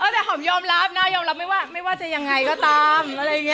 แต่หอมยอมรับอะยอมรับไม่ว่าจะยังไงก็ตาม